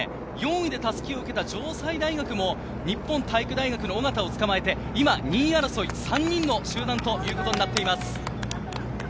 さらに４位で襷を受けた城西大学も日本体育大学の尾方を捕まえて、今、２位争い、３人の集団となっています。